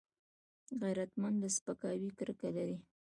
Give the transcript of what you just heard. غیرتمند له سپکاوي کرکه لري